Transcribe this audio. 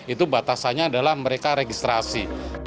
itu batasannya adalah mereka registrasi